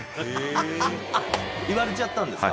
言われちゃったんですか？